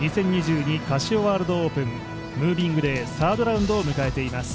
２０２２カシオワールドオープンムービングデーサードラウンドを迎えています。